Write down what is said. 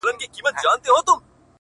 • سایه یې نسته او دی روان دی؛